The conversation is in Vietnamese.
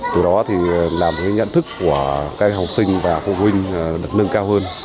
từ đó thì làm cái nhận thức của các học sinh và phụ huynh được nâng cao hơn